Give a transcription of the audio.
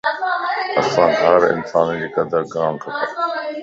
اسانک ھر انسان جي قدر ڪرڻ کپ